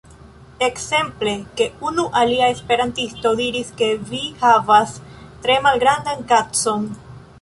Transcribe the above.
Ekzemple ke unu alia esperantisto diris ke vi havas tre malgrandan kacon.